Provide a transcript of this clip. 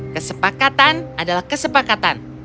kesepakatan adalah kesepakatan